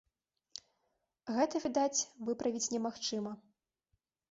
Гэта, відаць, выправіць немагчыма.